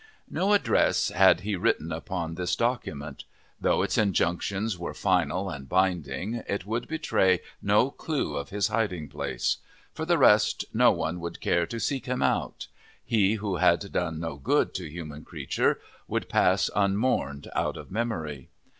No address had he written upon this document. Though its injunctions were final and binding, it could betray no clue of his hiding place. For the rest, no one would care to seek him out. He, who had done no good to human creature, would pass unmourned out of memory.